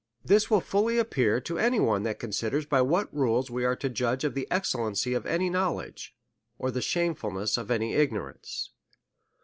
This will fully appear to any one that considers by what rules we are to judge of the excellency of any knowledge, or the shameful ness of any ignorance.